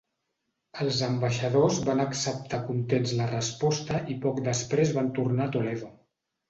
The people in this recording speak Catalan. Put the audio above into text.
Els ambaixadors van acceptar contents la resposta i poc després van tornar a Toledo.